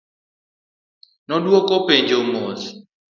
Nodwoko penjo mos.